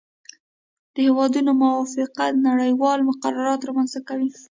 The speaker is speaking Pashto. د هیوادونو موافقه نړیوال مقررات رامنځته کوي